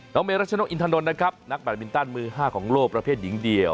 เมรัชนกอินทนนท์นะครับนักแบตมินตันมือ๕ของโลกประเภทหญิงเดียว